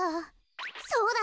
そうだ！